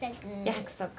約束。